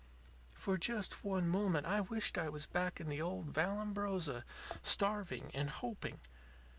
"For just one moment I wished I was back in the old Vallambrosa, starving and hoping.